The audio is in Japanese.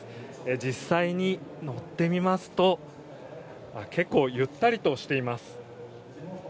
実際に乗ってみますと結構、ゆったりとしています。